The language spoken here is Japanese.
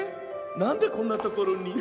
なんでこんなところに？